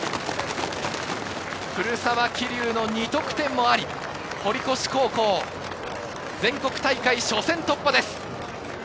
古澤希竜の２得点もあり、堀越高校、全国大会初戦突破です。